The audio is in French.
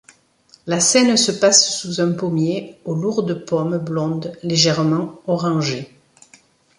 La scène se passe sous un pommier aux lourdes pommes blondes légèrement orangées.